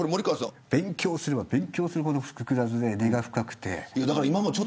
勉強すればするほど複雑で根が深い。